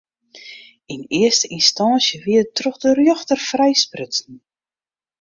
Yn earste ynstânsje wie er troch de rjochter frijsprutsen.